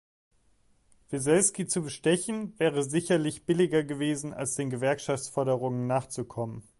Weselsky zu bestechen wäre sicherlich billiger gewesen, als den Gewerkschaftsforderungen nachzukommen.